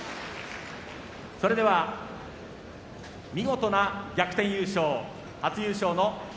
それでは見事な逆転優勝初優勝の霧